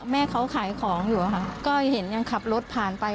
แม่เขาขายของอยู่ค่ะก็เห็นยังขับรถผ่านไป